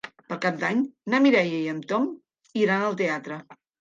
Per Cap d'Any na Mireia i en Tom iran al teatre.